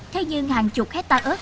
thế nhưng hàng chục hectare ớt